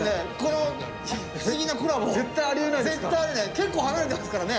結構離れてますからね。